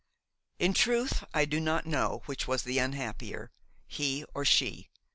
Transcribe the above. In truth I know not which was the unhappier, he or she.